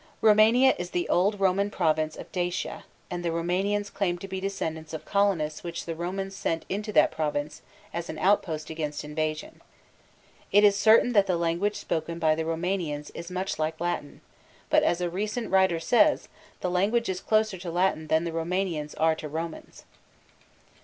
Roumania is the old Roman province of Dacia, and the Roumanians claim to be descendants of colonists which the Romans sent into that province as an outpost against invasion. It is certain that the language spoken by the Roumanians is much like Latin, but, as a recent writer says, the language is closer to Latin than the Roumanians are to Romans.